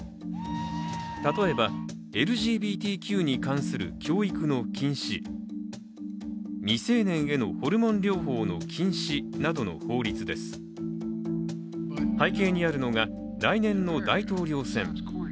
例えばＬＧＢＴＱに関する教育の禁止、未成年へのホルモン療法の禁止などの法律です背景にあるのが、来年の大統領選。